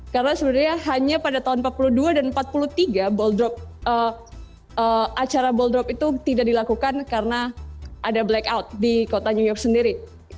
karena sebenarnya hanya pada tahun seribu sembilan ratus empat puluh dua dan seribu sembilan ratus empat puluh tiga acara ball drop itu tidak dilakukan karena ada blackout di kota new york sendiri